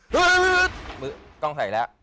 เฮียวิ้บวึบกล้องถ่ายแล้ว